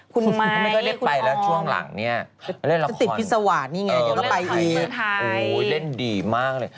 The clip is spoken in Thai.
คุณไมค์คุณฮองแต่ติดพิสวะนี่ไงเดี๋ยวเขาไปอีกโอ้โหเล่นดีมากเลย